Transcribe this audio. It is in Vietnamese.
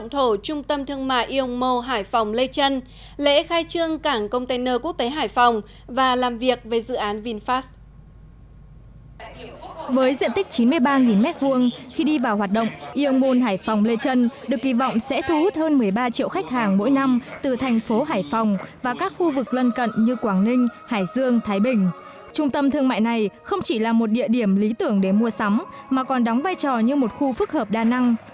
trung tâm thương mại này không chỉ là một địa điểm lý tưởng để mua sắm mà còn đóng vai trò như một khu phức hợp đa năng